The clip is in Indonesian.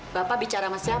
bapak bicara sama siapa